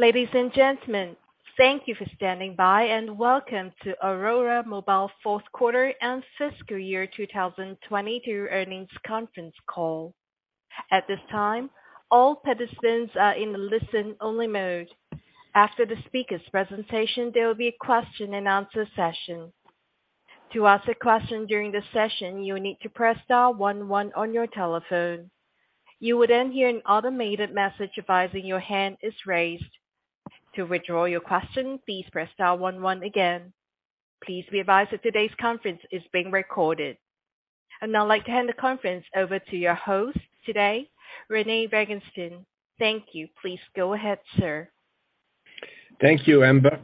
Ladies and gentlemen, thank you for standing by, and welcome to Aurora Mobile fourth quarter and fiscal year 2022 earnings conference call. At this time, all participants are in a listen-only mode. After the speakers' presentation, there will be a question and answer session. To ask a question during the session, you will need to press star one one on your telephone. You would then hear an automated message advising your hand is raised. To withdraw your question, please press star one one again. Please be advised that today's conference is being recorded. I'd now like to hand the conference over to your host today, Rene Vanguestaine. Thank you. Please go ahead, sir. Thank you, Amber.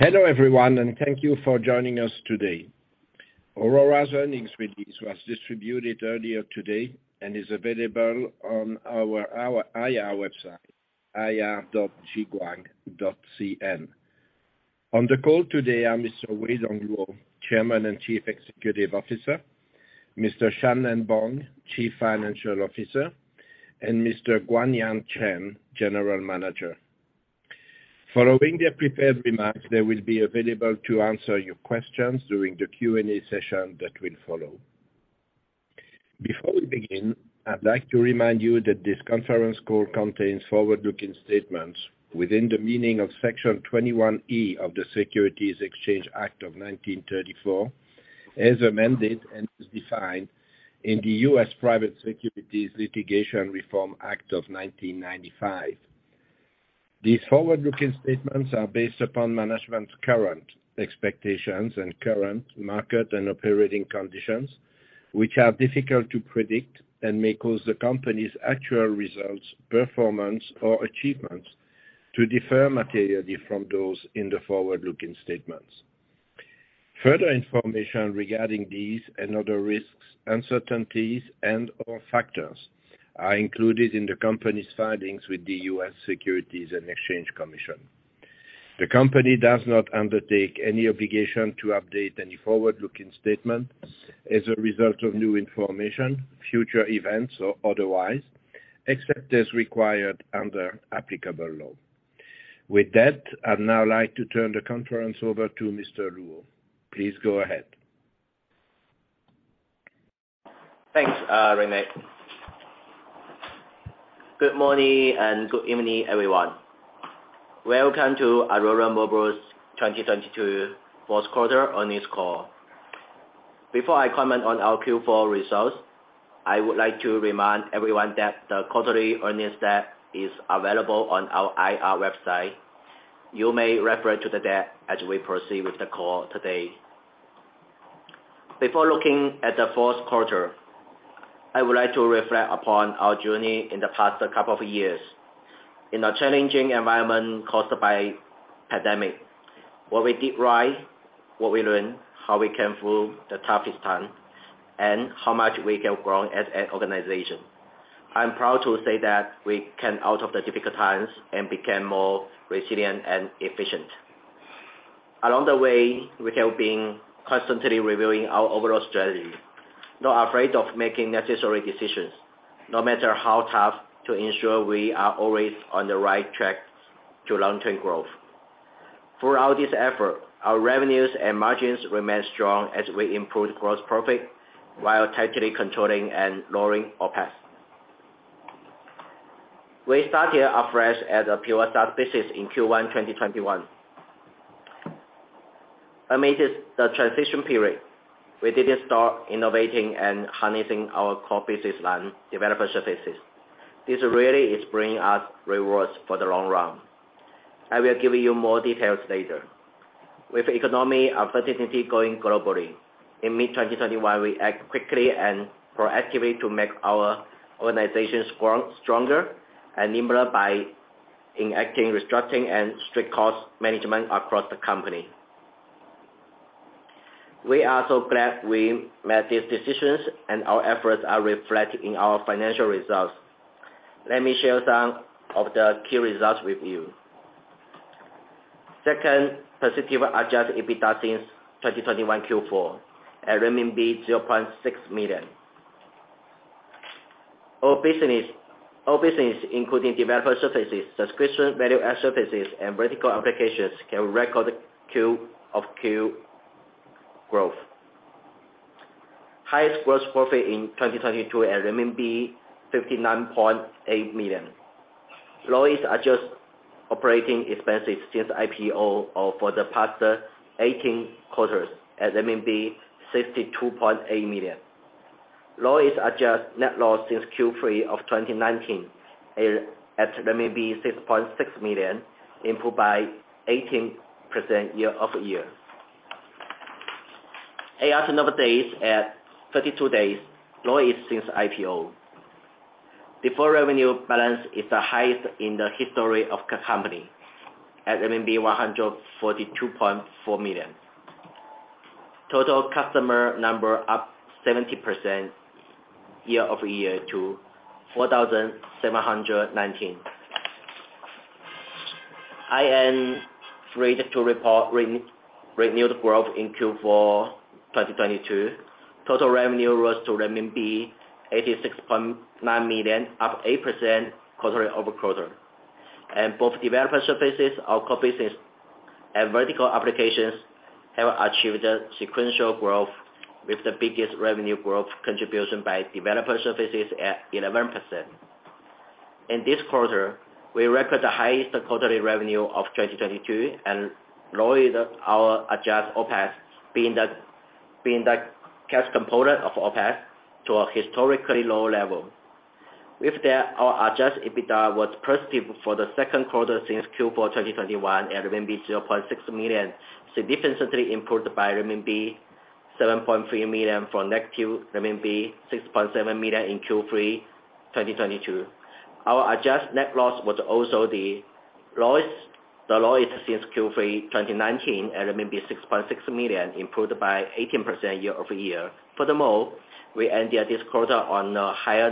Hello, everyone, and thank you for joining us today. Aurora's earnings release was distributed earlier today and is available on our IR website, ir.jiguang.cn. On the call today are Mr. Weidong Luo, Chairman and Chief Executive Officer, Mr. Shan-Nen Bong, Chief Financial Officer, and Mr. Guangyan Chen, General Manager. Following their prepared remarks, they will be available to answer your questions during the Q&A session that will follow. Before we begin, I'd like to remind you that this conference call contains forward-looking statements within the meaning of Section 21E of the Securities Exchange Act of 1934, as amended and as defined in the U.S. Private Securities Litigation Reform Act of 1995. These forward-looking statements are based upon management's current expectations and current market and operating conditions, which are difficult to predict and may cause the company's actual results, performance, or achievements to differ materially from those in the forward-looking statements. Further information regarding these and other risks, uncertainties, and/or factors are included in the company's filings with the US Securities and Exchange Commission. The company does not undertake any obligation to update any forward-looking statements as a result of new information, future events, or otherwise, except as required under applicable law. With that, I'd now like to turn the conference over to Mr. Luo. Please go ahead. Thanks, Rene. Good morning and good evening, everyone. Welcome to Aurora Mobile's 2022 fourth quarter earnings call. Before I comment on our Q4 results, I would like to remind everyone that the quarterly earnings deck is available on our IR website. You may refer to the deck as we proceed with the call today. Before looking at the fourth quarter, I would like to reflect upon our journey in the past couple of years. In a challenging environment caused by pandemic, what we did right, what we learned, how we came through the toughest time, and how much we have grown as an organization. I'm proud to say that we came out of the difficult times and became more resilient and efficient. Along the way, we have been constantly reviewing our overall strategy, not afraid of making necessary decisions, no matter how tough to ensure we are always on the right track to long-term growth. Throughout this effort, our revenues and margins remain strong as we improved gross profit while tightly controlling and lowering OpEx. We started afresh as a pure SaaS business in Q1 2021. Amidst the transition period, we didn't stop innovating and harnessing our core business line developer services. This really is bringing us rewards for the long run. I will give you more details later. With economic uncertainty going globally, in mid-2021 we act quickly and proactively to make our organization strong, stronger and nimbler by enacting restructuring and strict cost management across the company. We are so glad we made these decisions, and our efforts are reflected in our financial results. Let me share some of the key results with you. Second positive adjusted EBITDA since 2021 Q4 at 0.6 million. All business, including developer services, subscription value-add services, and vertical applications can record Q of Q growth. Highest gross profit in 2022 at RMB 59.8 million. Lowest adjusted operating expenses since IPO or for the past 18 quarters at 62.8 million. Lowest adjusted net loss since Q3 of 2019 at 6.6 million, improved by 18% year-over-year. AR turnover days at 32 days, lowest since IPO. Deferred revenue balance is the highest in the history of the company at 142.4 million. Total customer number up 70% year-over-year to 4,719. Three to report renewed growth in Q4 2022. Total revenue rose to RMB 86.9 million, up 8% quarter-over-quarter. Both developer services, our core business, and vertical applications have achieved a sequential growth with the biggest revenue growth contribution by developer services at 11%. In this quarter, we record the highest quarterly revenue of 2022 and lowered our adjusted OPEX, being the cash component of OPEX to a historically low level. With that, our adjusted EBITDA was positive for the second quarter since Q4 2021 at RMB 0.6 million, significantly improved by RMB 7.3 million from RMB 6.7 million in Q3 2022. Our adjusted net loss was also the lowest since Q3 2019 at 6.6 million, improved by 18% year-over-year. We ended this quarter on a higher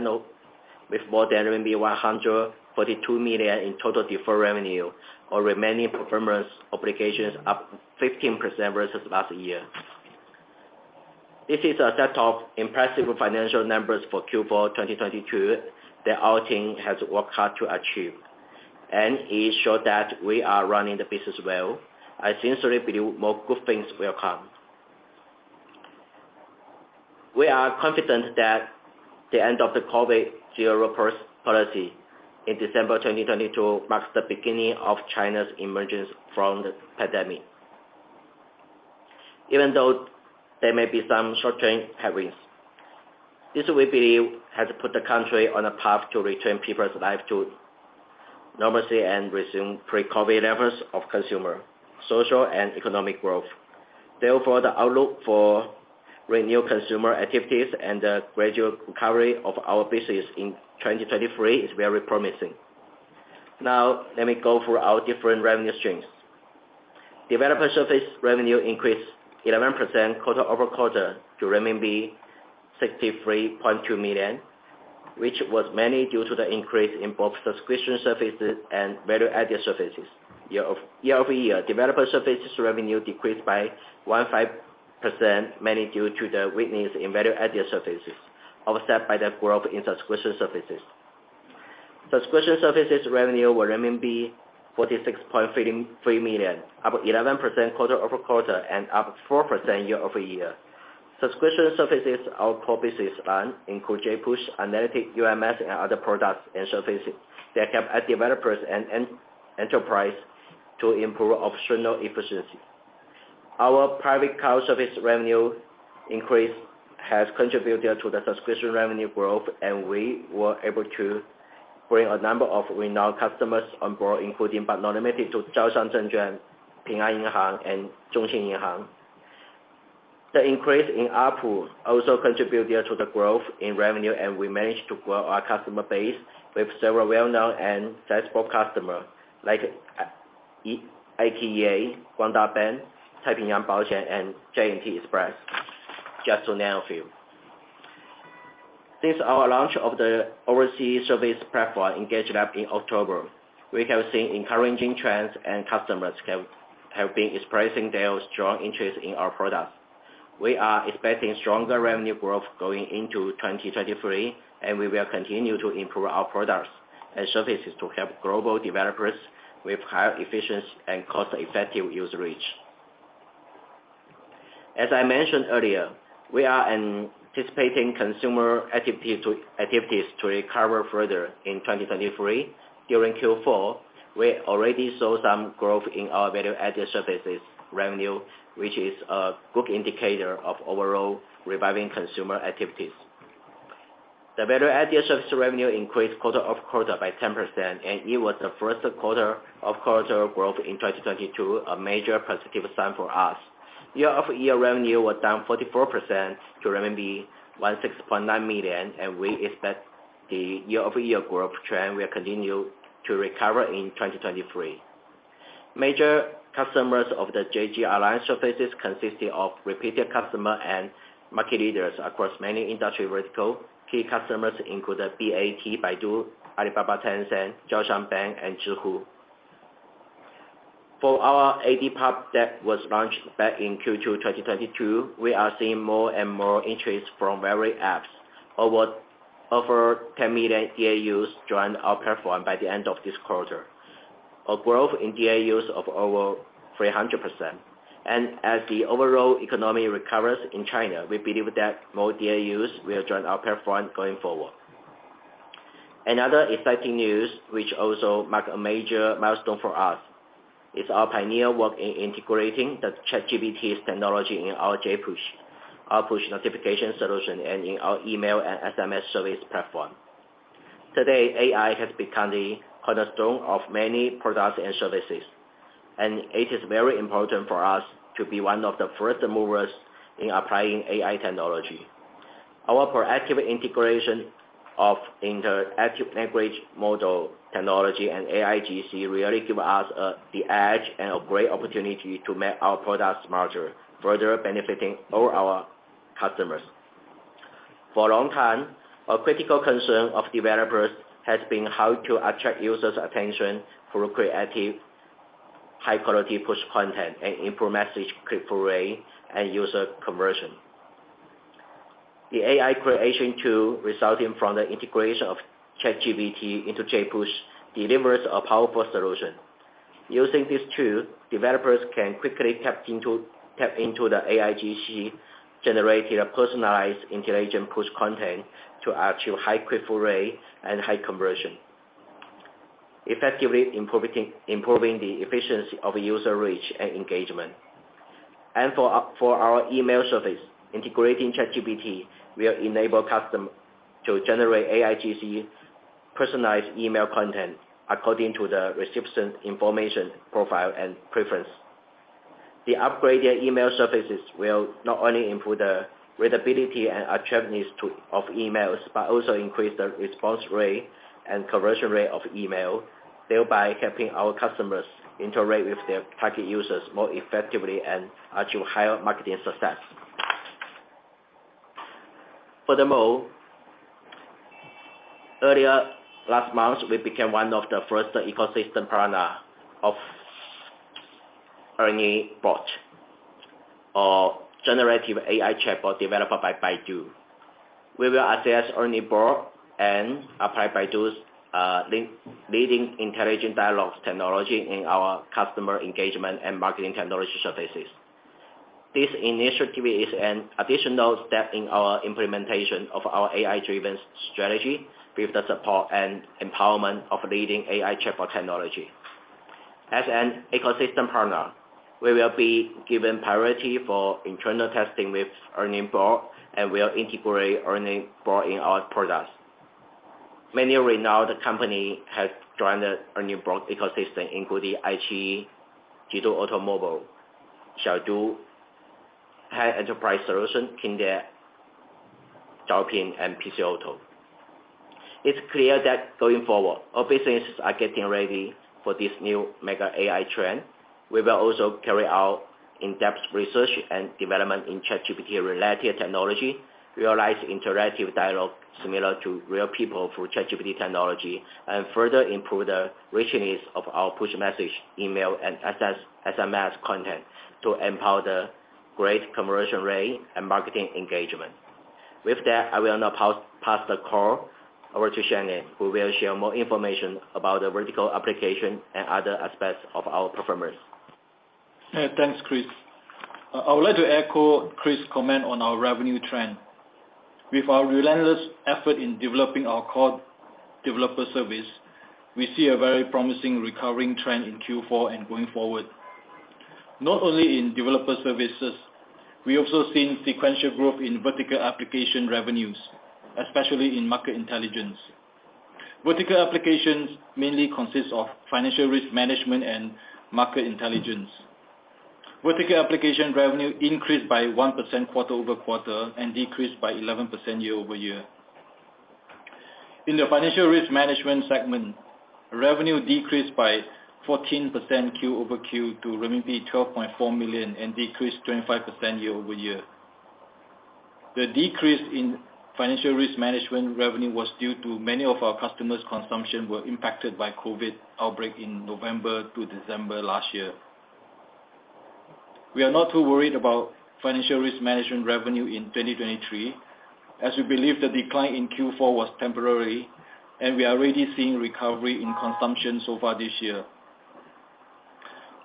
note with more than 142 million in total deferred revenue, our remaining performance obligations up 15% versus last year. This is a set of impressive financial numbers for Q4 2022 that our team has worked hard to achieve, and it shows that we are running the business well. I sincerely believe more good things will come. We are confident that the end of the COVID zero policy in December 2022 marks the beginning of China's emergence from the pandemic. Even though there may be some short-term headwinds, this we believe, has put the country on a path to return people's life to normalcy and resume pre-COVID levels of consumer, social, and economic growth. The outlook for renewed consumer activities and the gradual recovery of our business in 2023 is very promising. Let me go through our different revenue streams. Developer services revenue increased 11% quarter-over-quarter to renminbi 63.2 million, which was mainly due to the increase in both subscription services and value-added services. Year-over-year, developer services revenue decreased by 15%, mainly due to the weakness in value-added services, offset by the growth in subscription services. Subscription services revenue were RMB 46.3 million, up 11% quarter-over-quarter and up 4% year-over-year. Subscription services, our core business line include JPush, Analytics, UMS, and other products and services that help developers and enterprise to improve operational efficiency. Our private cloud service revenue increase has contributed to the subscription revenue growth, we were able to bring a number of renowned customers on board, including but not limited to. The increase in ARPU also contributed to the growth in revenue, and we managed to grow our customer base with several well-known and successful customer like E-ITA, Guangda Bank, Taipingyang Baoxian, and J&T Express, just to name a few. Since our launch of the overseas service platform, EngageLab, in October, we have seen encouraging trends and customers have been expressing their strong interest in our products. We are expecting stronger revenue growth going into 2023, and we will continue to improve our products and services to help global developers with higher efficiency and cost-effective user reach. As I mentioned earlier, we are anticipating consumer activities to recover further in 2023. During Q4, we already saw some growth in our value-added services revenue, which is a good indicator of overall reviving consumer activities. The value-added service revenue increased quarter-over-quarter by 10%. It was the first quarter-over-quarter growth in 2022, a major positive sign for us. Year-over-year revenue was down 44% to RMB 16.9 million. We expect the year-over-year growth trend will continue to recover in 2023. Major customers of the JG Alliance services consisted of repeated customer and market leaders across many industry vertical. Key customers included BAT, Baidu, Alibaba, Tencent, Zhaoshang Bank, and Zhihu. For our AdPop that was launched back in Q2 2022, we are seeing more and more interest from various apps. Over 10 million DAUs joined our platform by the end of this quarter. A growth in DAUs of over 300%. As the overall economy recovers in China, we believe that more DAUs will join our platform going forward. Another exciting news, which also mark a major milestone for us, is our pioneer work in integrating the ChatGPT's technology in our JPush, our push notification solution, and in our email and SMS service platform. Today, AI has become the cornerstone of many products and services, and it is very important for us to be one of the first movers in applying AI technology. Our proactive integration of interactive language model technology and AIGC really give us the edge and a great opportunity to make our product smarter, further benefiting all our customers. For a long time, a critical concern of developers has been how to attract users' attention through creative, high-quality push content, and improve message click-through rate and user conversion. The AI creation tool resulting from the integration of ChatGPT into JPush delivers a powerful solution. Using this tool, developers can quickly tap into the AIGC, generating a personalized intelligent push content to achieve high click-through rate and high conversion, effectively improving the efficiency of user reach and engagement. For our email service, integrating ChatGPT will enable customer to generate AIGC personalized email content according to the recipient information, profile, and preference. The upgraded email services will not only improve the readability and attractiveness of emails, but also increase the response rate and conversion rate of email, thereby helping our customers interact with their target users more effectively and achieve higher marketing success. Earlier last month, we became one of the first ecosystem partner of ERNIE Bot or generative AI chatbot developed by Baidu. We will assess ERNIE Bot and apply Baidu's leading intelligent dialogues technology in our customer engagement and marketing technology services. This initiative is an additional step in our implementation of our AI-driven strategy with the support and empowerment of leading AI chatbot technology. As an ecosystem partner, we will be given priority for internal testing with ERNIE Bot and will integrate ERNIE Bot in our products. Many renowned company have joined the ERNIE Bot ecosystem, including iQIYI, Jidu Automobile, Xiaodu High Enterprise Solution, Hyundai, Zhaopin, and PChome. It's clear that going forward, all businesses are getting ready for this new mega AI trend. We will also carry out in-depth research and development in ChatGPT-related technology, realize interactive dialogue similar to real people through ChatGPT technology, and further improve the richness of our JPush message, email, and assess SMS content to empower the great conversion rate and marketing engagement. With that, I will now pass the call over to Shan-Nen who will share more information about the vertical application and other aspects of our performance. Thanks, Chris. I would like to echo Chris' comment on our revenue trend. With our relentless effort in developing our core developer service, we see a very promising recovering trend in Q4 and going forward. Not only in developer services, we also seen sequential growth in vertical application revenues, especially in market intelligence. Vertical applications mainly consists of financial risk management and market intelligence. Vertical application revenue increased by 1% quarter-over-quarter and decreased by 11% year-over-year. In the financial risk management segment, revenue decreased by 14% Q over Q to renminbi 12.4 million, and decreased 25% year-over-year. The decrease in financial risk management revenue was due to many of our customers' consumption were impacted by COVID outbreak in November to December last year. We are not too worried about financial risk management revenue in 2023, as we believe the decline in Q4 was temporary, and we are already seeing recovery in consumption so far this year.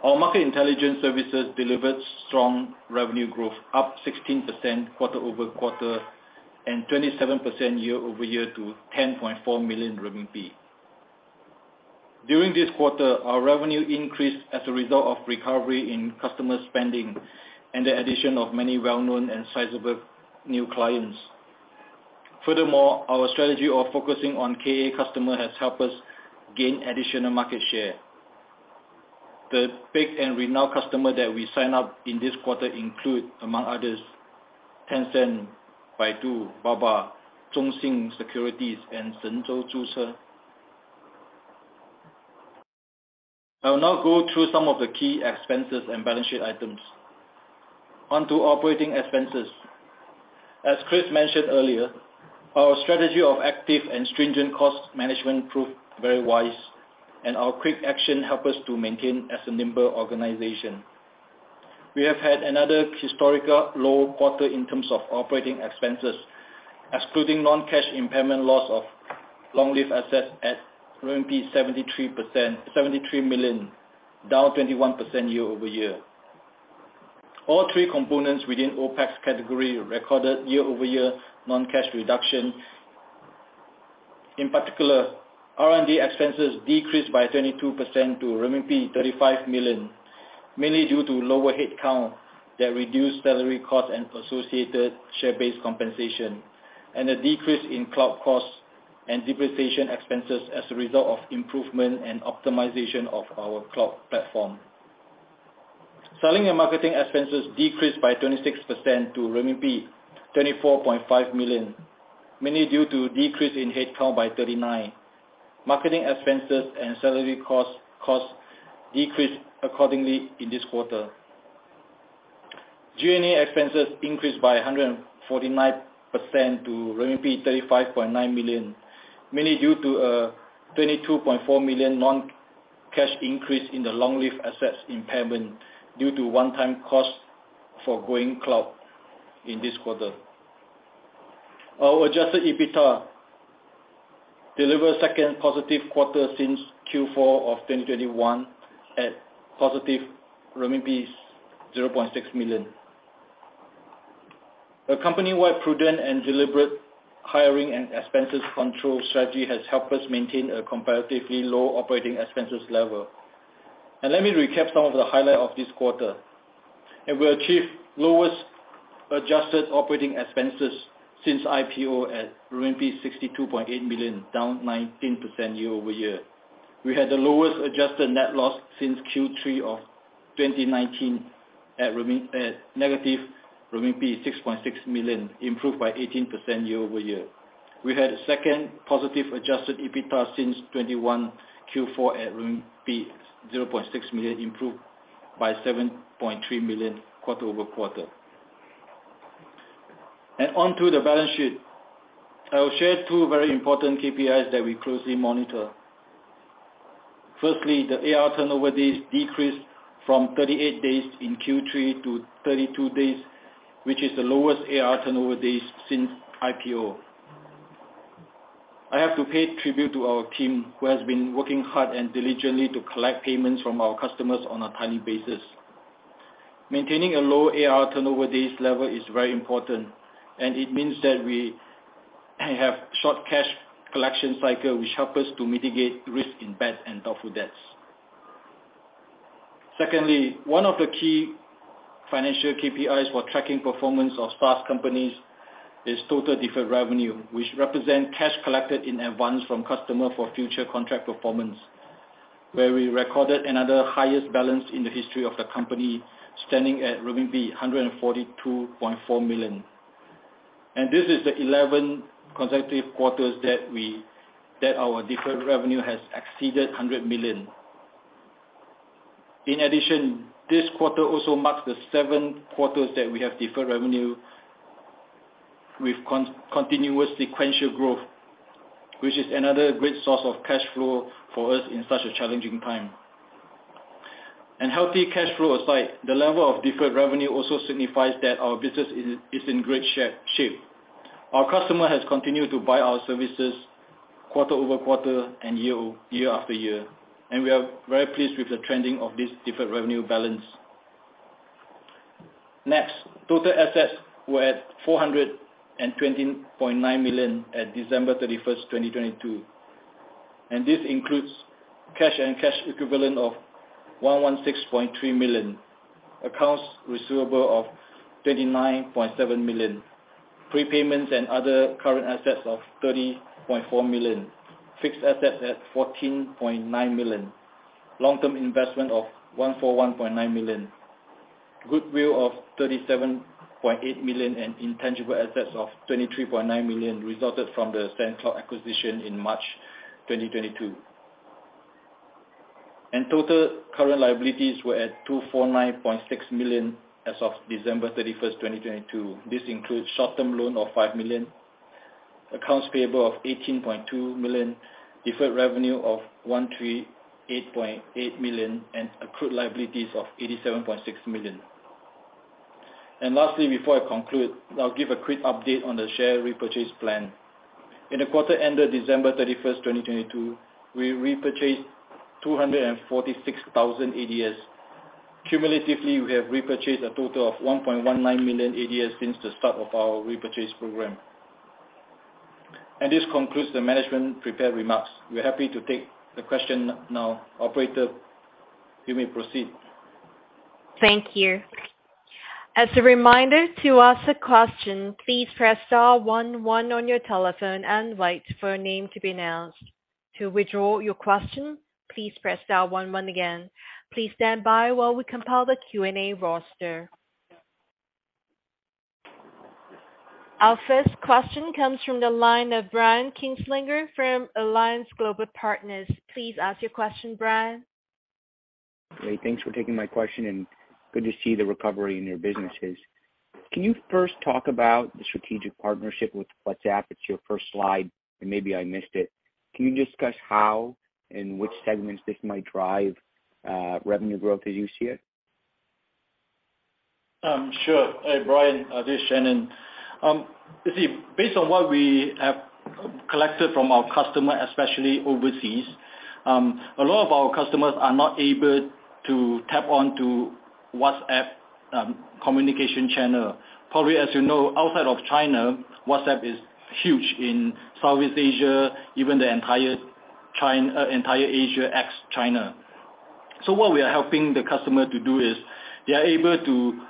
Our market intelligence services delivered strong revenue growth, up 16% quarter-over-quarter and 27% year-over-year to 10.4 million RMB. During this quarter, our revenue increased as a result of recovery in customer spending and the addition of many well-known and sizable new clients. Our strategy of focusing on KA customer has helped us gain additional market share. The big and renowned customer that we sign up in this quarter include, among others, Tencent, Baidu, Baba, Zhongxin Securities, and Zhengzhou ZuChe. I will now go through some of the key expenses and balance sheet items. Onto operating expenses. As Chris mentioned earlier, our strategy of active and stringent cost management proved very wise, and our quick action help us to maintain as a nimble organization. We have had another historical low quarter in terms of operating expenses, excluding non-cash impairment loss of long-lived assets at 73 million, down 21% year-over-year. All three components within OPEX category recorded year-over-year non-cash reduction. In particular, R&D expenses decreased by 22% to renminbi 35 million, mainly due to lower headcount that reduced salary cost and associated share-based compensation, and a decrease in cloud costs and depreciation expenses as a result of improvement and optimization of our cloud platform. Selling and marketing expenses decreased by 26% to renminbi 24.5 million, mainly due to decrease in headcount by 39. Marketing expenses and salary costs decreased accordingly in this quarter. G&A expenses increased by 149% to RMB 35.9 million, mainly due to 22.4 million non-cash increase in the long-lived assets impairment due to one-time cost for going cloud in this quarter. Our adjusted EBITDA delivered second positive quarter since Q4 of 2021 at positive renminbi 0.6 million. A company-wide prudent and deliberate hiring and expenses control strategy has helped us maintain a comparatively low operating expenses level. Let me recap some of the highlight of this quarter. We achieved lowest adjusted operating expenses since IPO at RMB 62.8 million, down 19% year-over-year. We had the lowest adjusted net loss since Q3 of 2019 at negative 6.6 million, improved by 18% year-over-year. We had second positive adjusted EBITDA since 2021 Q4 at 0.6 million, improved by 7.3 million quarter-over-quarter. On to the balance sheet. I will share two very important KPIs that we closely monitor. Firstly, the AR turnover days decreased from 38 days in Q3 to 32 days, which is the lowest AR turnover days since IPO. I have to pay tribute to our team who has been working hard and diligently to collect payments from our customers on a timely basis. Maintaining a low AR turnover days level is very important, and it means that we have short cash collection cycle, which help us to mitigate risk in bad and doubtful debts. Secondly, one of the key financial KPIs for tracking performance of SaaS companies is total deferred revenue, which represent cash collected in advance from customer for future contract performance, where we recorded another highest balance in the history of the company, standing at 142.4 million. This is the 11 consecutive quarters that our deferred revenue has exceeded 100 million. In addition, this quarter also marks the seven quarters that we have deferred revenue with continuous sequential growth, which is another great source of cash flow for us in such a challenging time. Healthy cash flow aside, the level of deferred revenue also signifies that our business is in great shape. Our customer has continued to buy our services quarter-over-quarter and year after year. We are very pleased with the trending of this deferred revenue balance. Total assets were at $420.9 million at December 31, 2022, and this includes cash and cash equivalent of $116.3 million, accounts receivable of $29.7 million, prepayments and other current assets of $30.4 million, fixed assets at $14.9 million, long-term investment of $141.9 million, goodwill of $37.8 million, and intangible assets of $23.9 million resulted from the SendCloud acquisition in March 2022. Total current liabilities were at $249.6 million as of December 31, 2022. This includes short-term loan of $5 million, accounts payable of $18.2 million, deferred revenue of $138.8 million, and accrued liabilities of $87.6 million. Lastly, before I conclude, I'll give a quick update on the share repurchase plan. In the quarter ended December 31, 2022, we repurchased 246,000 ADSs. Cumulatively, we have repurchased a total of 1.19 million ADSs since the start of our repurchase program. This concludes the management prepared remarks. We're happy to take the question now. Operator, you may proceed. Thank you. As a reminder, to ask a question, please press star one one on your telephone and wait for a name to be announced. To withdraw your question, please press star one one again. Please stand by while we compile the Q&A roster. Our first question comes from the line of Brian Kinstlinger from Alliance Global Partners. Please ask your question, Brian. Hey, thanks for taking my question and good to see the recovery in your businesses. Can you first talk about the strategic partnership with WhatsApp? It's your first slide, and maybe I missed it. Can you discuss how and which segments this might drive revenue growth as you see it? Sure. Hey, Brian, this is Shan-Nen. You see, based on what we have collected from our customer, especially overseas, a lot of our customers are not able to tap on to WhatsApp communication channel. Probably, as you know, outside of China, WhatsApp is huge in Southeast Asia, even the entire Asia ex-China. What we are helping the customer to do is they are able to,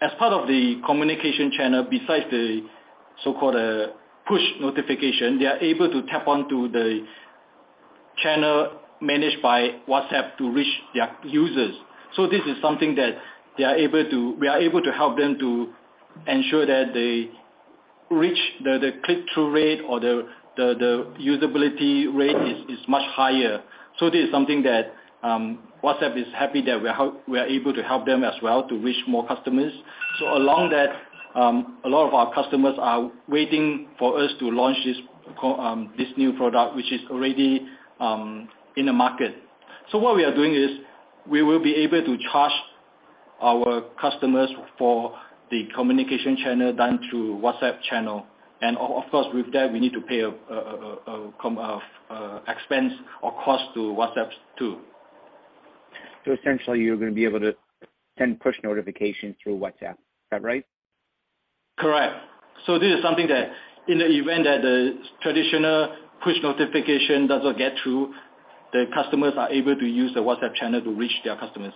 as part of the communication channel, besides the so-called push notification, they are able to tap onto the channel managed by WhatsApp to reach their users. This is something that we are able to help them to ensure that they reach the click-through rate or the usability rate is much higher. This is something that WhatsApp is happy that we're able to help them as well to reach more customers. Along that, a lot of our customers are waiting for us to launch this new product, which is already in the market. What we are doing is we will be able to charge our customers for the communication channel done through WhatsApp channel. Of course, with that we need to pay a expense or cost to WhatsApp too. Essentially you're gonna be able to send push notifications through WhatsApp. Is that right? Correct. This is something that in the event that the traditional push notification doesn't get through, the customers are able to use the WhatsApp channel to reach their customers.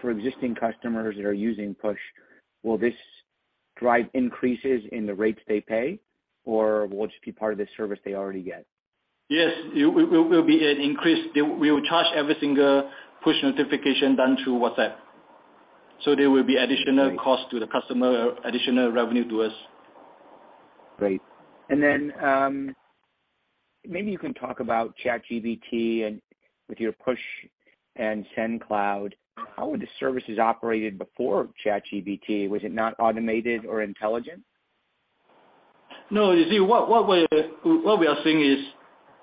For existing customers that are using Push, will this drive increases in the rates they pay or will it just be part of the service they already get? Yes. It will be an increase. We will charge every single push notification done through WhatsApp. There will be additional cost to the customer, additional revenue to us. Great. Then, maybe you can talk about ChatGPT and with your JPush and Sendcloud, how were the services operated before ChatGPT? Was it not automated or intelligent? No. You see, what we are seeing is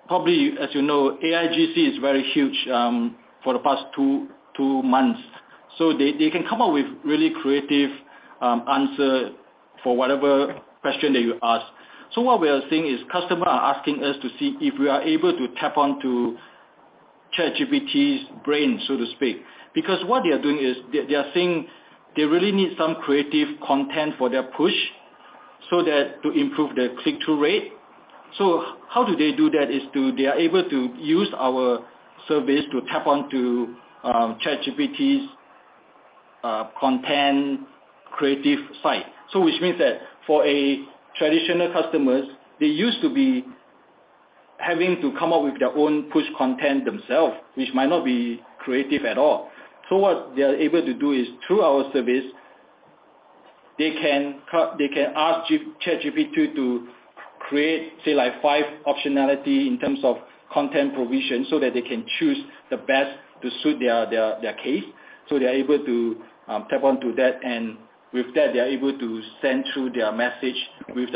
probably as you know, AIGC is very huge for the past two months. They can come up with really creative answer for whatever question that you ask. What we are seeing is customer are asking us to see if we are able to tap on to ChatGPT's brain, so to speak. Because what they are doing is they are saying they really need some creative content for their push so that to improve their click-through rate. How do they do that is to they are able to use our service to tap on to ChatGPT's content creative site. Which means that for a traditional customers, they used to be having to come up with their own push content themselves, which might not be creative at all. What they are able to do is through our service, they can ask ChatGPT to create, say like five optionality in terms of content provision so that they can choose the best to suit their case. They're able to tap onto that. And with that, they're able to send through their message with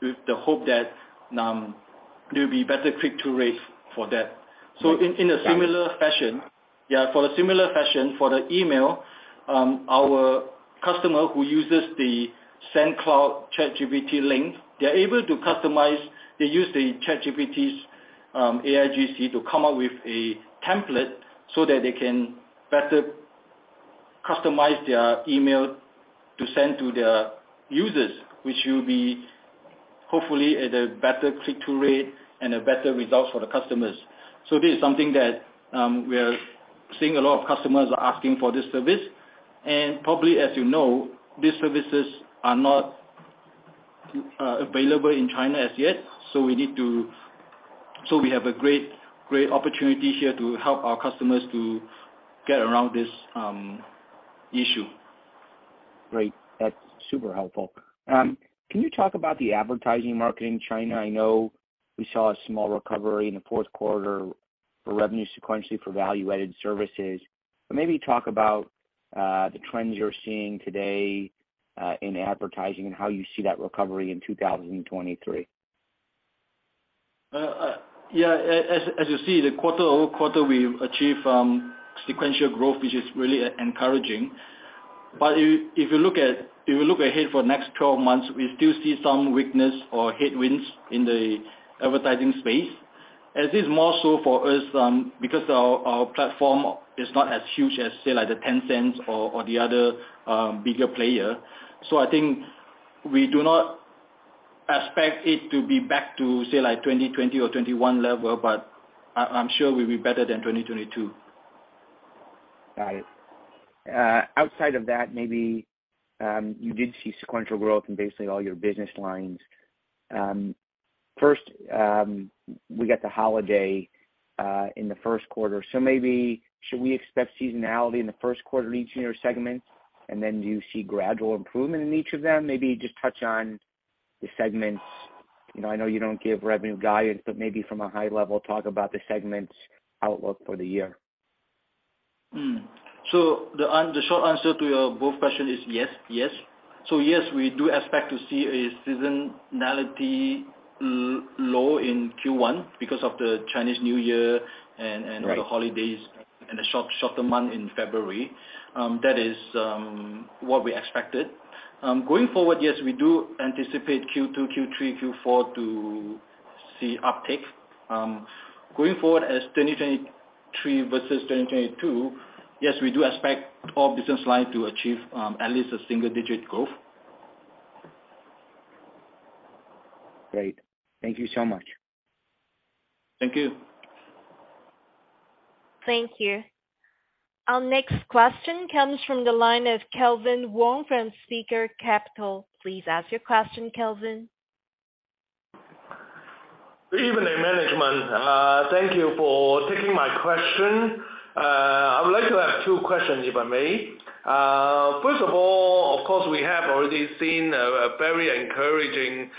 the hope that there'll be better click-through rate for that. In a similar fashion, yeah, for a similar fashion for the email, our customer who uses the Sendcloud ChatGPT link, they're able to customize. They use the ChatGPT's AIGC to come up with a template so that they can better customize their email to send to their users, which will be hopefully at a better click-through rate and a better result for the customers. This is something that we are seeing a lot of customers are asking for this service. Probably, as you know, these services are not available in China as yet, so we have a great opportunity here to help our customers to get around this issue. Great. That's super helpful. Can you talk about the advertising market in China? I know we saw a small recovery in the fourth quarter for revenue sequentially for value-added services. Maybe talk about the trends you're seeing today in advertising and how you see that recovery in 2023. Yeah. As you see, the quarter-over-quarter we've achieved sequential growth, which is really encouraging. If you look ahead for next 12 months, we still see some weakness or headwinds in the advertising space, and this is more so for us, because our platform is not as huge as, say, like the Tencents or the other bigger player. I think we do not expect it to be back to, say like 20 or 21 level, but I'm sure we'll be better than 2022. Got it. Outside of that, maybe, you did see sequential growth in basically all your business lines. First, we got the holiday in the first quarter. Maybe should we expect seasonality in the first quarter in each of your segments, and then do you see gradual improvement in each of them? Just touch on the segments. You know, I know you don't give revenue guidance, but maybe from a high level, talk about the segments outlook for the year. The short answer to your both question is yes. Yes, we do expect to see a seasonality low in Q1 because of the Chinese New Year. Right. -the holidays and a shorter month in February. That is what we expected. Going forward, yes, we do anticipate Q2, Q3, Q4 to see uptick. Going forward as 2023 versus 2022, yes, we do expect all business line to achieve at least a single digit growth. Great. Thank you so much. Thank you. Thank you. Our next question comes from the line of Kelvin Wong from Spicer Capital. Please ask your question, Kelvin. Good evening, management. Thank you for taking my question. I would like to have two questions, if I may. First of all, of course, we have already seen a very encouraging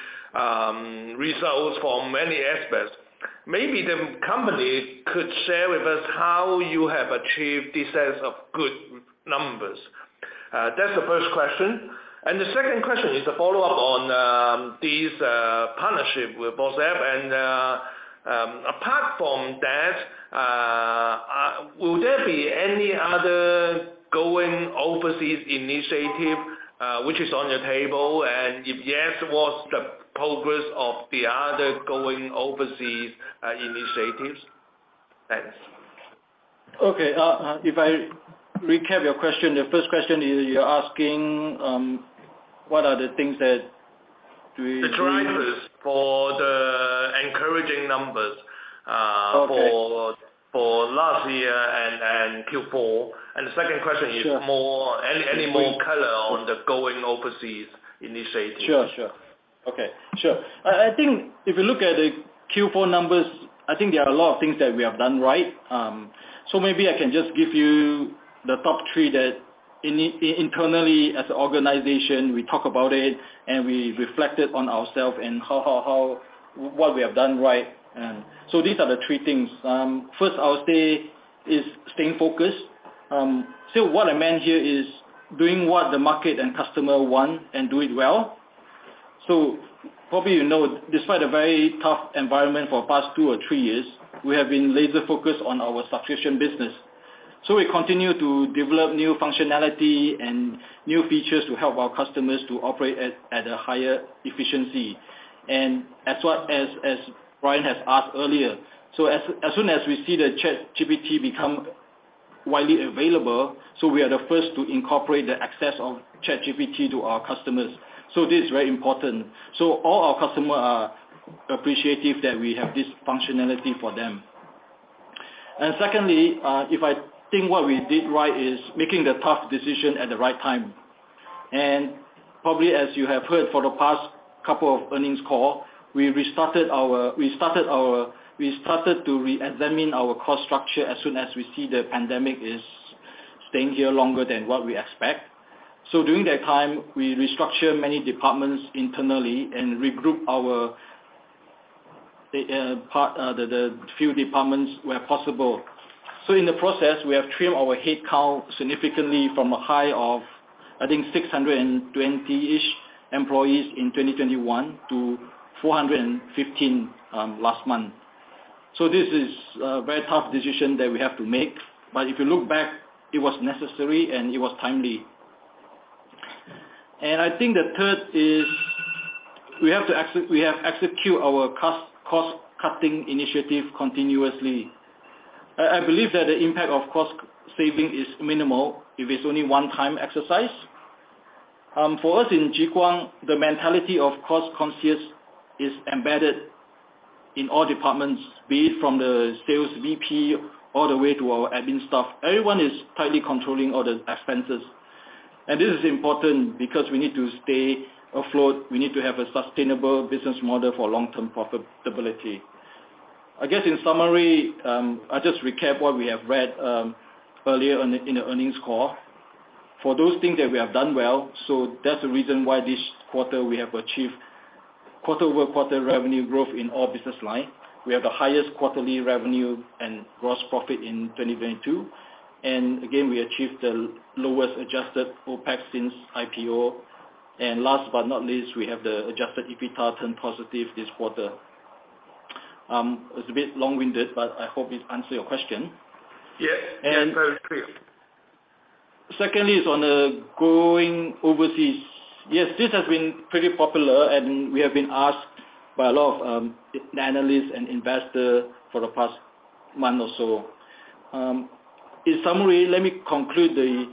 results from many aspects. Maybe the company could share with us how you have achieved these sets of good numbers. That's the first question. The second question is a follow-up on this partnership with WhatsApp. Apart from that, will there be any other going overseas initiative which is on the table? If yes, what's the progress of the other going overseas initiatives? Thanks. Okay. If I recap your question, the first question is you're asking, what are the things that... The drivers for the encouraging numbers. Okay... for last year and Q4. The second question is. Sure... any more color on the going overseas initiatives. Sure. Sure. Okay. Sure. I think if you look at the Q4 numbers, I think there are a lot of things that we have done right. Maybe I can just give you the top three that internally as an organization, we talk about it, and we reflected on ourself and how what we have done right. These are the three things. First I'll say is staying focused. What I meant here is doing what the market and customer want and do it well. Probably you know, despite a very tough environment for past two or three years, we have been laser focused on our subscription business. We continue to develop new functionality and new features to help our customers to operate at a higher efficiency. As Brian has asked earlier, as soon as we see the ChatGPT become widely available, we are the first to incorporate the access of ChatGPT to our customers. This is very important. All our customer are appreciative that we have this functionality for them. If I think what we did right is making the tough decision at the right time. Probably as you have heard for the past couple earnings call, we started to reexamine our cost structure as soon as we see the pandemic is staying here longer than what we expect. During that time, we restructured many departments internally and regrouped our, the few departments where possible. In the process, we have trimmed our headcount significantly from a high of, I think, 620-ish employees in 2021-4015 last month. This is a very tough decision that we have to make. If you look back, it was necessary, and it was timely. I think the third is we have to execute our cost-cutting initiative continuously. I believe that the impact of cost saving is minimal if it's only one time exercise. For us in Jiguang, the mentality of cost conscious is embedded in all departments, be it from the sales VP all the way to our admin staff. Everyone is tightly controlling all the expenses. This is important because we need to stay afloat. We need to have a sustainable business model for long-term profitability. I guess, in summary, I'll just recap what we have read earlier in the earnings call. For those things that we have done well, that's the reason why this quarter we have achieved quarter-over-quarter revenue growth in all business line. We have the highest quarterly revenue and gross profit in 2022. Again, we achieved the lowest adjusted OPEX since IPO. Last but not least, we have the adjusted EBITDA turn positive this quarter. It's a bit long-winded, but I hope it answer your question. Yes. And- Very clear. Secondly is on growing overseas. Yes, this has been pretty popular, and we have been asked by a lot of analysts and investors for the past month or so. In summary, let me conclude the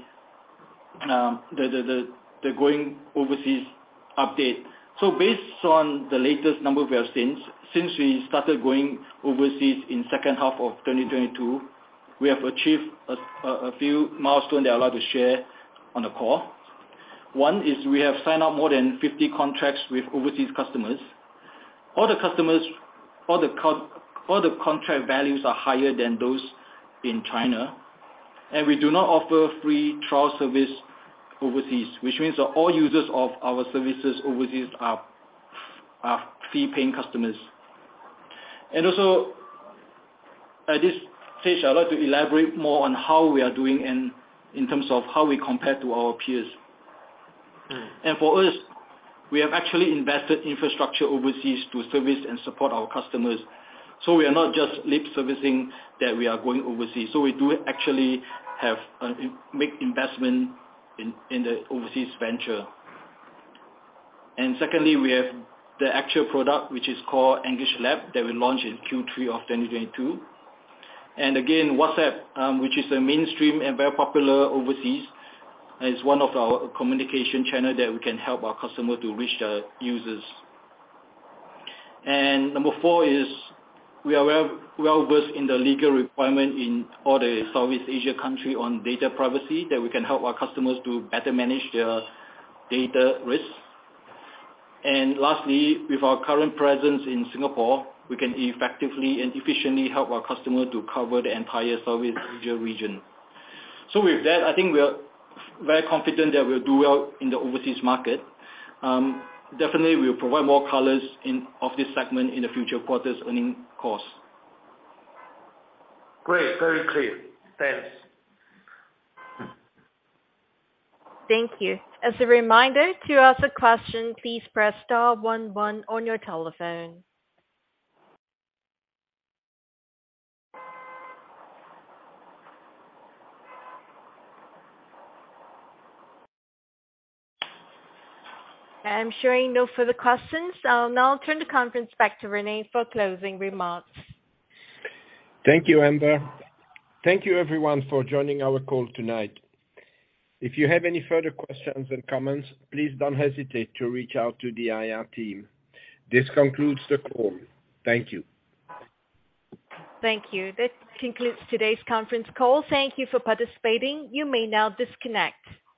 going overseas update. Based on the latest number we have seen since we started going overseas in second half of 2022, we have achieved a few milestone that I'd like to share on the call. One is we have signed up more than 50 contracts with overseas customers. All the customers, all the contract values are higher than those in China. We do not offer free trial service overseas, which means that all users of our services overseas are fee-paying customers. At this stage, I'd like to elaborate more on how we are doing in terms of how we compare to our peers. Mm. For us, we have actually invested infrastructure overseas to service and support our customers. We are not just lip servicing that we are going overseas. We do actually have make investment in the overseas venture. Secondly, we have the actual product, which is called EngageLab, that we launched in Q3 of 2022. WhatsApp, which is a mainstream and very popular overseas, is one of our communication channel that we can help our customer to reach the users. Number four is we are well-versed in the legal requirement in all the Southeast Asia country on data privacy, that we can help our customers to better manage their data risk. Lastly, with our current presence in Singapore, we can effectively and efficiently help our customer to cover the entire Southeast Asia region. With that, I think we are very confident that we'll do well in the overseas market. Definitely we'll provide more colors in, of this segment in the future quarters earnings calls. Great. Very clear. Thanks. Thank you. As a reminder, to ask a question, please press star one one on your telephone. I'm showing no further questions. I'll now turn the conference back to Rene for closing remarks. Thank you, Amber. Thank you everyone for joining our call tonight. If you have any further questions and comments, please don't hesitate to reach out to the IR team. This concludes the call. Thank you. Thank you. This concludes today's conference call. Thank you for participating. You may now disconnect.